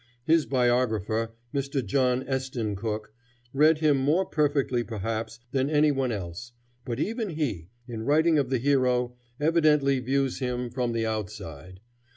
His biographer, Mr. John Esten Cooke, read him more perfectly perhaps than any one else, but even he, in writing of the hero, evidently views him from the outside.